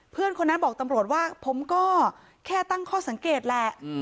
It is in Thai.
เพื่อนคนนั้นบอกตำรวจว่าผมก็แค่ตั้งข้อสังเกตแหละ